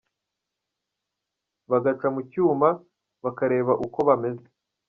bagaca mu cyuma bakareba uko bameze.